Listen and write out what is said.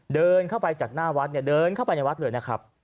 เดินเข้าไปจากหน้าวัดเนี่ยเดินเข้าไปในวัดเลยนะครับ